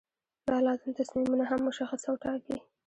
دا لازم تصمیمونه هم مشخص او ټاکي.